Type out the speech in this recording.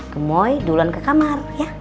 gemoy duluan ke kamar ya